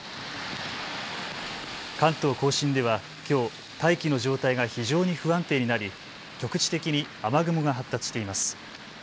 関東甲信では、きょう大気の状態が非常に不安定になり局地的に雨雲が発達しています。